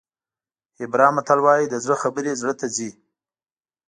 هیبرا متل وایي د زړه خبرې زړه ته ځي.